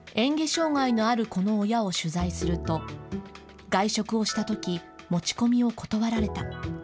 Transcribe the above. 障害のある子の親を取材すると、外食をしたとき、持ち込みを断られた。